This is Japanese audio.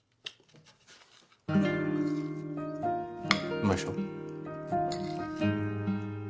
うまいっしょ